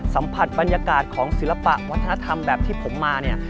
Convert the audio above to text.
สัมผัสบรรยากาศของศิลปะวัฒนธรรมแบบที่ผมมาเนี่ย